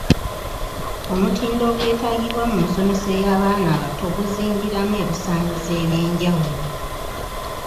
Omutindo ogwetaagibwa mu nsomesa y’abaana abato guzingiramu ebisaanyizo eby’enjawulo.